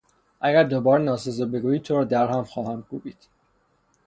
اگر دوباره ناسزا بگویی تو را در هم خواهم کوبید!